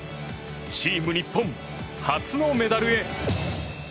チーム日本、初のメダルへ。